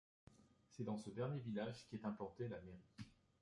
C'est dans ce dernier village qu'est implantée la mairie.